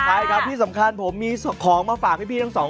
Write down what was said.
ใช่ครับที่สำคัญผมมีของมาฝากพี่ทั้งสองคน